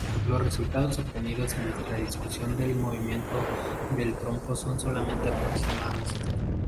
Los resultados obtenidos en nuestra discusión del movimiento del trompo son solamente aproximados.